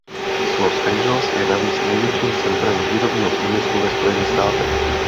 Los Angeles je navíc největším centrem výrobního průmyslu ve Spojených státech.